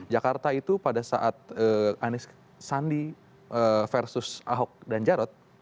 jakarta itu pada saat anies sandi versus ahok dan jarot